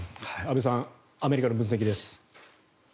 安部さんアメリカの分析です。